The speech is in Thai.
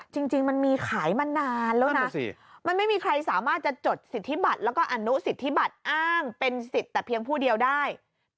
จริงมันมีขายมานานแล้วนะมันไม่มีใครสามารถจะจดสิทธิบัตรแล้วก็อนุสิทธิบัตรอ้างเป็นสิทธิ์แต่เพียงผู้เดียวได้